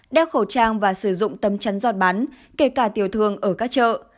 đeo khẩu trang và sử dụng tấm chắn giọt bắn kể cả tiều thương ở các chợ